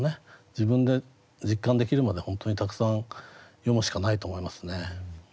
自分で実感できるまで本当にたくさん読むしかないと思いますね。